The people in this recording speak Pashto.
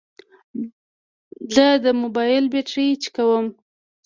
زه تل د موبایل بیټرۍ چیکوم.